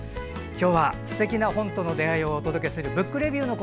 今日はすてきな本との出会いをお届けする「ブックレビュー」。